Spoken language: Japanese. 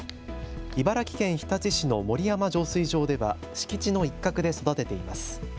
茨城県日立市の森山浄水場では敷地の一角で育てています。